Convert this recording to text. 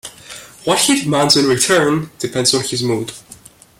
What he demands in return depends on his mood.